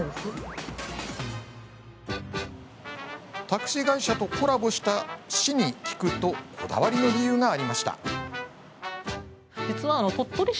タクシー会社とコラボした市に聞くとこだわりの理由がありました。